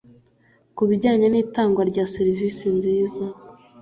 Ku bijyanye n’itangwa rya serivisi nziza